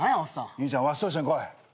兄ちゃんわしと一緒に来い。